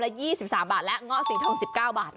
๒๓บาทและเงาะสีทอง๑๙บาท